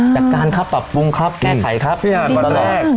อยากการครับปรับปรุงครับแก้ไขครับพี่หันตอนแรก